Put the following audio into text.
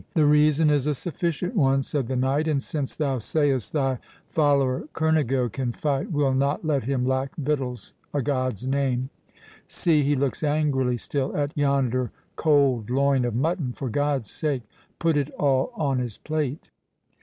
"The reason is a sufficient one," said the knight, "and, since thou sayest thy follower Kernigo can fight, we'll not let him lack victuals, a God's name.—See, he looks angrily still at yonder cold loin of mutton—for God's sake put it all on his plate!"